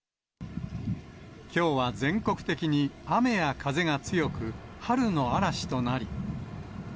きょうは全国的に雨や風が強く、春の嵐となり。